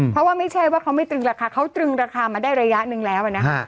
เพราะว่าไม่ใช่ว่าเขาไม่ตรึงราคาเขาตรึงราคามาได้ระยะหนึ่งแล้วนะ